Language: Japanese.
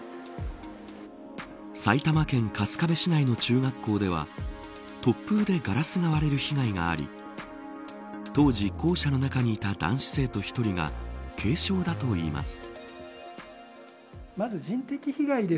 埼玉県春日部市内の中学校では突風でガラスが割れる被害があり当時、校舎の中にいた男子生徒１人が軽傷だといいます。